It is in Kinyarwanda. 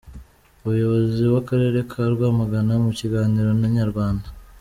Umuyobozi w’akarere ka Rwamagana mu kiganiro na Inyarwanda.